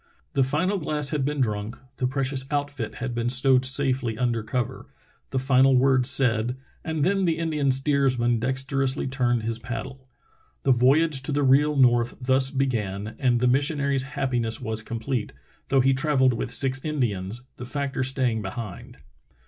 The final glass had been drunk, the precious outfit* had been stowed safely under cover, the final word said, and then the Indian steersman dexterously turned his paddle. The voyage to the real north thus began, and the missionary's happiness was complete, though he travelled with six Indians, the factor staying behind.